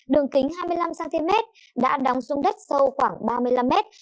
đường kính hai mươi năm cm đã đóng dung đất sâu khoảng ba mươi năm mét